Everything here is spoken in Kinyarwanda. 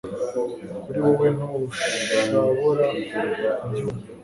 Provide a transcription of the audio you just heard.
Kuri wewe ntushabora ku byumva